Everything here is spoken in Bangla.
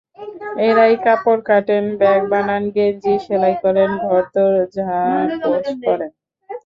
এঁরাই কাপড় কাটেন, ব্যাগ বানান, গেঞ্জি সেলাই করেন, ঘরদোর ঝাড়পোছ করেন।